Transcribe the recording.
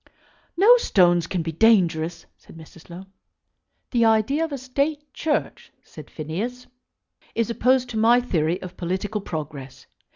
"No stones can be dangerous," said Mrs. Low. "The idea of a State Church," said Phineas, "is opposed to my theory of political progress.